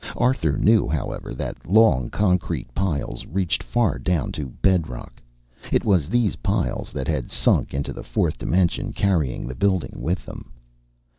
Arthur knew, however, that long concrete piles reached far down to bedrock. It was these piles that had sunk into the Fourth Dimension, carrying the building with them.